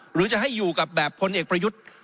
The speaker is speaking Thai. หรือจะให้อยู่กับแบบพลเอกประยุทธ์